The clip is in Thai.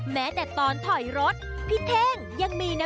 เฮ่ย